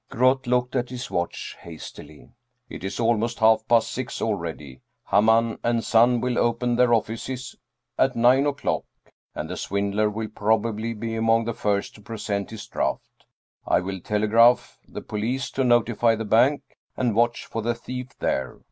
Groth looked at his watch hastily. " It is almost half past six already. Hamann & Son will open their offices at nine o'clock, and the swindler will probably be among the first to present his draft. I will telegraph the police to notify the bank and watch for the thief there.